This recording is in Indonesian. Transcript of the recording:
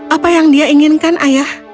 apa yang dia inginkan ayah